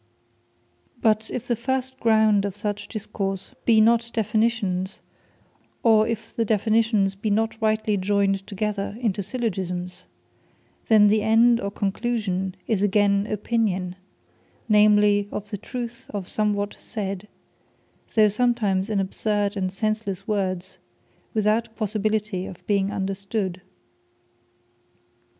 But if the first ground of such Discourse be not Definitions, or if the Definitions be not rightly joyned together into Syllogismes, then the End or Conclusion is again OPINION, namely of the truth of somewhat said, though sometimes in absurd and senslesse words, without possibility of being understood.